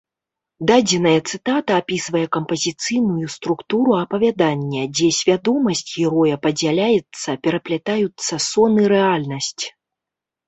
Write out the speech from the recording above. Дадзеная цытата апісвае кампазіцыйную структуру апавядання, дзе свядомасць героя падзяляецца, пераплятаюцца сон і рэальнасць.